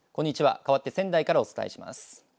かわって仙台からお伝えします。